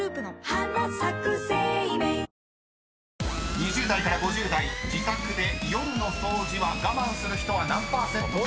［２０代から５０代自宅で夜の掃除は我慢する人は何％か。